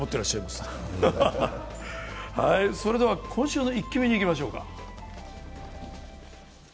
それでは今週の「イッキ見」にいきましょうか。